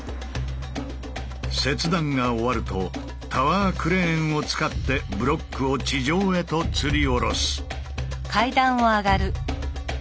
切断が終わるとタワークレーンを使ってブロックを地上へとつり下ろす。